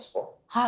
はい。